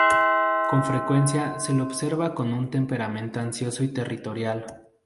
Con frecuencia se le observa con un temperamento ansioso y territorial.